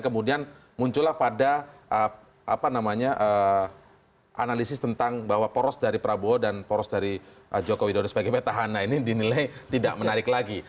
kemudian munculah pada apa namanya analisis tentang bahwa poros dari prabowo dan poros dari joko widodo sebagai petahana ini dinilai tidak menarik lagi